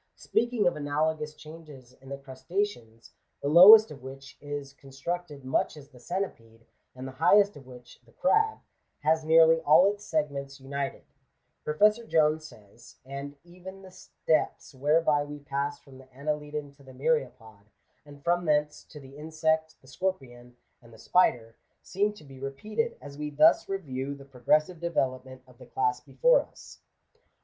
Speaking of analogous changes in the crustaceans, the lowest of which is constructed much as the centipede, and the highest of which (the crab) has nearly all its segments united, Professor Jones says — "And even the steps whereby we pass from the Annelidan to the Myriapod, and from thence to the Insect, the Scorpion, and the Spider, seem to be repeated as we thus review the pro gressive development of the class before us."